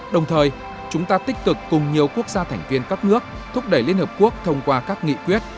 đồng thời chúng ta tích cực cùng nhiều quốc gia thành viên các nước thúc đẩy liên hợp quốc thông qua các nghị quyết